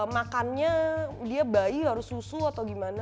makannya dia bayi harus susu atau gimana